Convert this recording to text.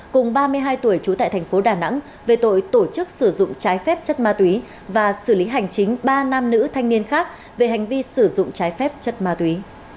cùng ba mươi hai tuổi trú tại thành phố đà nẵng về tội tổ chức sử dụng trái phép chất ma túy và xử lý hành chính ba nam nữ thanh niên khác về hành vi sử dụng trái phép chất ma túy